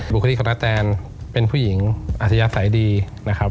บุคลิกคณะแตนเป็นผู้หญิงอาชญาศัยดีนะครับ